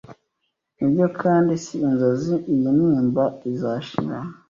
Nibyo kandi si inzozi Iyi ntimba izashira